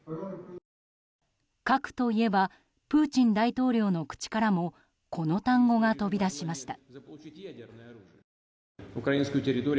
核といえばプーチン大統領の口からもこの単語が飛び出しました。